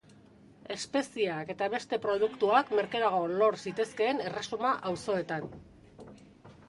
Espeziak eta beste produktuak merkeago lor zitezkeen erresuma auzoetan.